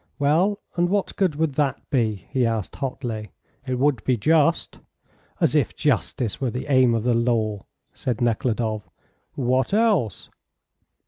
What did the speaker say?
"Well, and what good would that be?" he asked, hotly. "It would be just." "As if justice were the aim of the law," said Nekhludoff. "What else?"